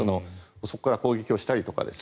そこから攻撃をしたりとか。